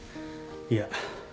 いや。